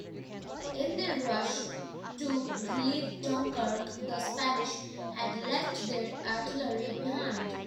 In their rush to relieve Dunkirk the Spanish had left their artillery behind.